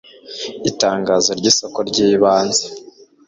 itangazo ry isoko ry ibanze